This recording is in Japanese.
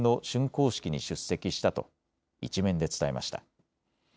こう式に出席したと１面で伝えました。